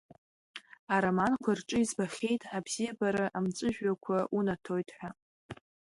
Ароманқәа рҿы избахьеит абзиабара амҵәыжәҩақәа унаҭоит ҳәа.